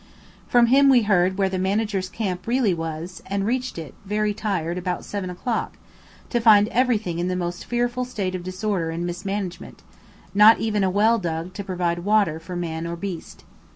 From him we heard where the Manager's camp really was, and reached it, very tired, about 7 o'clock, to find everything in the most fearful state of disorder and mismanagement; not even a well dug to provide water for man or beast.